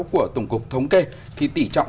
của tổng cục thống kê thì tỷ trọng